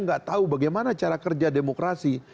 nggak tahu bagaimana cara kerja demokrasi